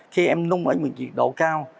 khi em lung ở nhiệt độ cao